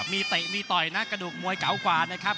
มีเตะมีต่อยนะกระดูกมวยเก่ากว่านะครับ